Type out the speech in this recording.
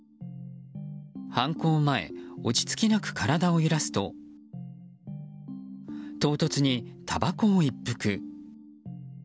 犯行前落ち着きなく体を揺らすと唐突にたばこを一服。